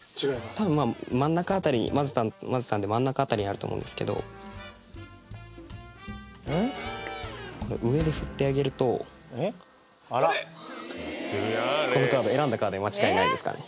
多分真ん中辺り混ぜたんで真ん中辺りにあると思うんですけどこれ上で振ってあげるとこのカード選んだカードで間違いないですかね？